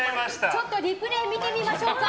ちょっとリプレー見てみましょう。